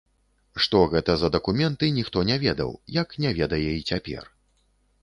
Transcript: Што гэта за дакументы, ніхто не ведаў, як не ведае і цяпер.